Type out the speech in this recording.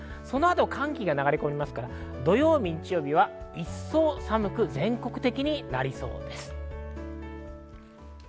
そのあと寒気が流れ込みますから、土曜、日曜日は一層寒く全国的になりそうです。